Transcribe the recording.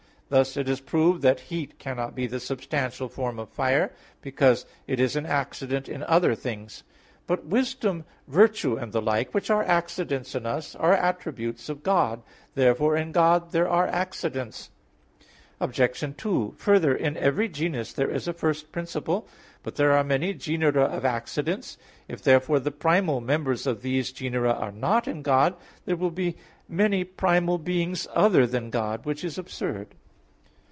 Thus it is proved that heat cannot be the substantial form of fire, because it is an accident in other things. But wisdom, virtue, and the like, which are accidents in us, are attributes of God. Therefore in God there are accidents. Obj. 2: Further, in every genus there is a first principle. But there are many genera of accidents. If, therefore, the primal members of these genera are not in God, there will be many primal beings other than God which is absurd.